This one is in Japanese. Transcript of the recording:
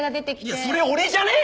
いやそれ俺じゃねぇ？